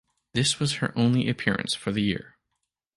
This was her only appearance for the year.